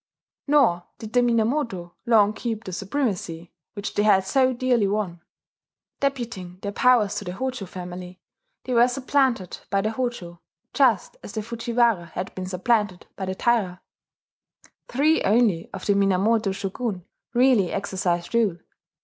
Nor did the Minamoto long keep the supremacy which they had so dearly won. Deputing their powers to the Hojo family, they were supplanted by the Hojo, just as the Fujiwara had been supplanted by the Taira. Three only of the Minamoto shogun really exercised rule.